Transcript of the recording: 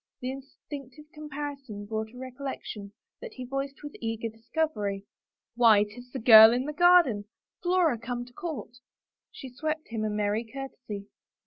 The instinctive com parison brought a recollection that he voiced with eager discovery. " Why, 'tis the girl in the garden — Flora come to court !" She swept him a merry courtesy.